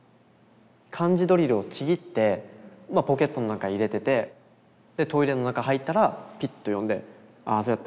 漢字ドリルをちぎってポケットの中入れててでトイレの中入ったらピッと読んで「ああそうやった。